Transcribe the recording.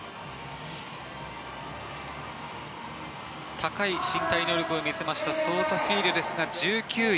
高い身体能力を見せましたソウザ・フィーリョですが１９位。